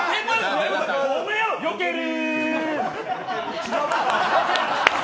よける。